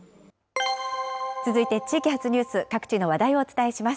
続いて地域発ニュース、各地の話題をお伝えします。